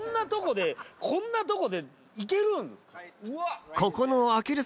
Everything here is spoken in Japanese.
こんなとこでいけるんですか？